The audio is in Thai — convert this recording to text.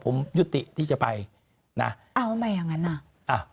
ผมยุติที่จะไปนะเอาใหม่อย่างงั้นอ่ะ